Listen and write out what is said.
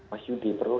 mas yudi perlu